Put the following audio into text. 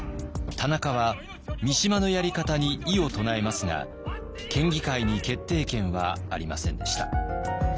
田中は三島のやり方に異を唱えますが県議会に決定権はありませんでした。